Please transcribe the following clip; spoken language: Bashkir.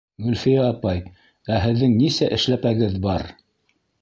— Гөлфиә апай, ә һеҙҙең нисә эшләпәгеҙ бар?